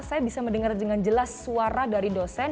saya bisa mendengar dengan jelas suara dari dosen